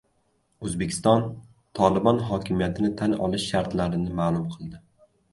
O‘zbekiston "Tolibon" hokimiyatini tan olish shartlarini ma’lum qildi